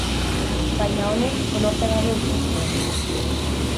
Baina honek konorte gabe utzi zuen.